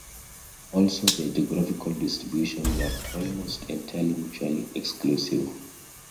Also, their geographical distributions are almost entirely mutually exclusive.